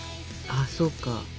ああそうか。